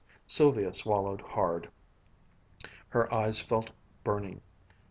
Sylvia swallowed hard. Her eyes felt burning.